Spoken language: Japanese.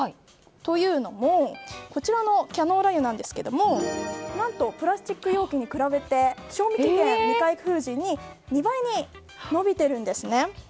というのもこちらのキャノーラ油なんですが何と、プラスチック容器に比べ賞味期限未開封時に２倍に伸びているんですね。